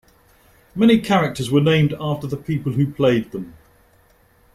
Many characters were named after the people who played them.